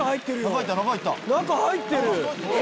中入ってるよ！